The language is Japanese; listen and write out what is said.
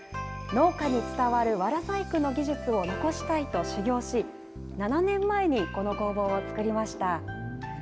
農家に伝わるわら細工の技術を残したいと修業し、７年前に、この工房を作りました。